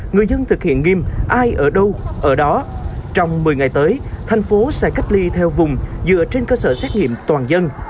người dân thực hiện nghiêm ai ở đâu ở đó trong một mươi ngày tới thành phố sẽ cách ly theo vùng dựa trên cơ sở xét nghiệm toàn dân